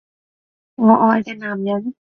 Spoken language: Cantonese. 我愛嘅男人